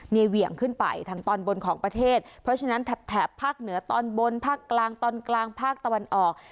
มีเหวี่ยงขึ้นไปทางตอนบนของประเทศเพราะฉะนั้นแถบภาคเหนือตอนบนภาคกลางตอนกลางภาคตะวันออก